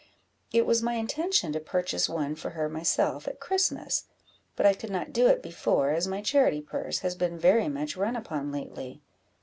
It was my intention to purchase one for her myself at Christmas; but I could not do it before, as my charity purse has been very much run upon lately.